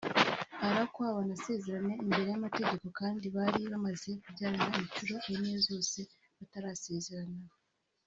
arakwa banasezerana imbere y’amategeko kandi bari bamaze kubyarana inshuro enye zose batarasezerana